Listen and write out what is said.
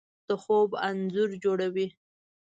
د خوب انځور جوړوي